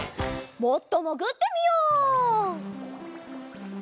もっともぐってみよう！